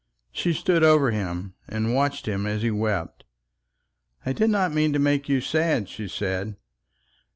She stood over him and watched him as he wept. "I did not mean to make you sad," she said.